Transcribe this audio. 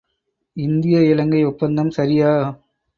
இந்திய இலங்கை ஒப்பந்தம் சரியா?